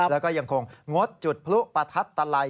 แล้วก็ยังคงงดจุดพลุประทัดตะไล